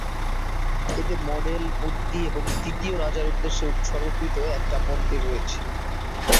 এতে মন্ডল, মূর্তি এবং তৃতীয় রাজার উদ্দেশ্যে উৎসর্গীকৃত একটি মন্দির রয়েছে।